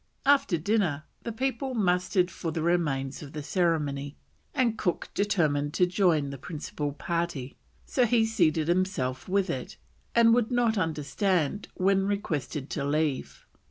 After dinner the people mustered for the remains of the ceremony, and Cook determined to join the principal party, so he seated himself with it, and would not understand when requested to leave.